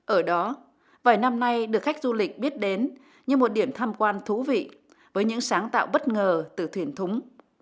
ở đó vài năm nay được khách du lịch biết đến như một điểm tham quan thú vị với những sáng tạo bất ngờ từ thuyền thúng